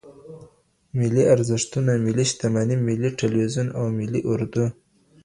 ملي ارزښتونه ملي شتمنې ملي ټلویزیون او ملي اردو